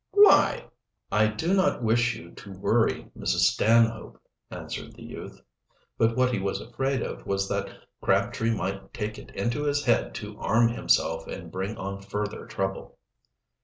"Why?" "I do not wish you to worry Mrs. Stanhope," answered the youth. But what he was afraid of was that Crabtree might take it into his head to arm himself and bring on further trouble.